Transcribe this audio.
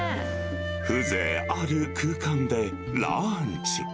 風情ある空間で、ランチ。